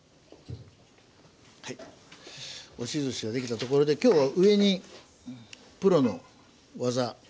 押しずしができたところで今日は上にプロの技。